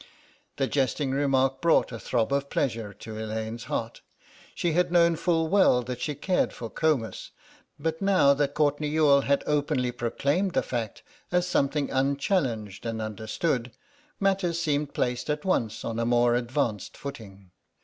The jesting remark brought a throb of pleasure to Elaine's heart. She had known full well that she cared for Comus, but now that Courtenay Youghal had openly proclaimed the fact as something unchallenged and understood matters seemed placed at once on a more advanced footing.